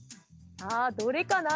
さあ、どれかな？